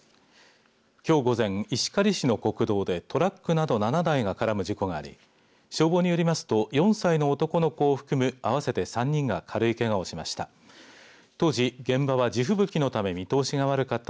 きょう午前、石狩市の国道でトラックなど７台が絡む事故があり消防によりますと４歳の男の子を含む合わせて３人が軽いけがをしました。